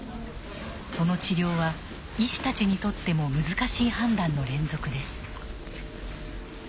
その治療は医師たちにとっても難しい判断の連続です。